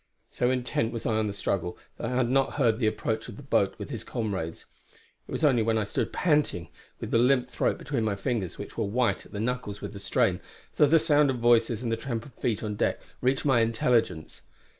So intent was I on the struggle that I had not heard the approach of the boat with his comrades. It was only when I stood panting, with the limp throat between my fingers which were white at the knuckles with the strain, that the sound of voices and the tramp of feet on deck reached my intelligence.